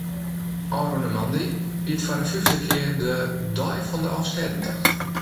Ofrûne moandei wie it foar de fiifde kear de ‘Dei fan de Alvestêdetocht’.